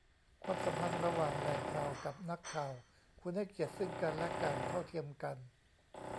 ความสัมพันธ์ระหว่างแหล่งข่าวกับนักข่าวควรให้เกียรติซึ่งกันและกัน เท่าเทียมกัน